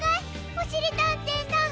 おしりたんていさん。